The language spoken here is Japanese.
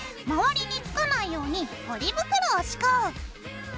周りにつかないようにポリ袋を敷こう。